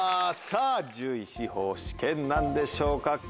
さぁ１０位司法試験なんでしょうか？